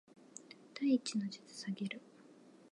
第一の術ザケル